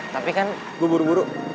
tapi kan gue buru buru